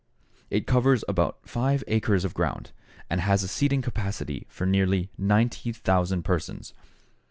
It covers about five acres of ground, and has a seating capacity for nearly 90,000 persons.